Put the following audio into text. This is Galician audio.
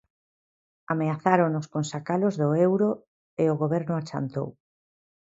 Ameazáronos con sacalos do euro e o Goberno achantou.